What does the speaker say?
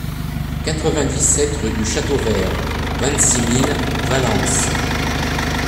quatre-vingt-dix-sept rue Chateauvert, vingt-six mille Valence